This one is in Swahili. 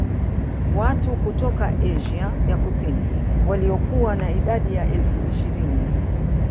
Watu kutoka Asia ya Kusini waliokuwa na idadi ya elfu ishirini